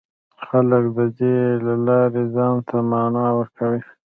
خلک د دې له لارې ځان ته مانا ورکوي.